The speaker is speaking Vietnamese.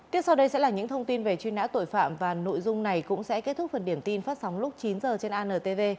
tiếp sau đây sẽ là những thông tin về truy nã tội phạm và nội dung này cũng sẽ kết thúc phần điểm tin phát sóng lúc chín h trên antv